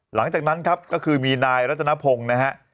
หลังจากนั้นครับก็คือมีนายรัตนพงศ์นะฮะ